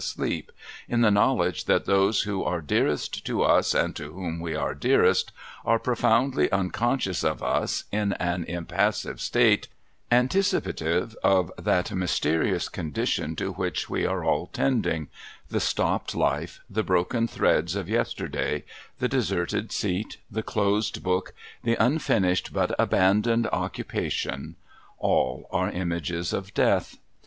jsleep— in the knowledge that those who are dearest to us and to whom we are dearest, "are profoundly unconscious of us, in an impassive state, anticipative of that mysterious condition to which we are all tending— the stopped life, the broken threads of yester day, the deserted seat, the closed book, the unfinished but abandoned occupation, all are images of Death.